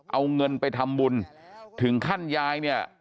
เอาเงินไปทำบุญถึงขั้นยายเนี่ย